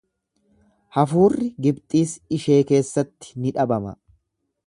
Hafuurri Gibxiis ishee keessatti ni dhabama.